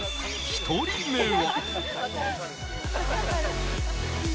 一人目は。